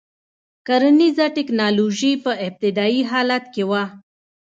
کرنیزه ټکنالوژي په ابتدايي حالت کې وه.